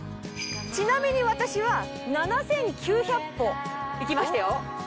ちなみに私は７９００歩行きましたよ！